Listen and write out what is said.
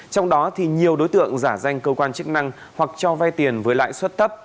trong đó thì nhiều đối tượng giả danh cơ quan chức năng hoặc cho vai tiền với lại xuất tấp